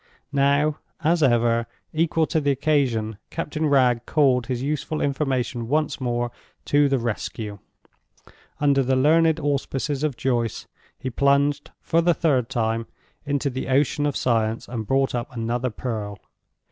Now, as ever, equal to the occasion, Captain Wragge called his useful information once more to the rescue. Under the learned auspices of Joyce, he plunged, for the third time, into the ocean of science, and brought up another pearl.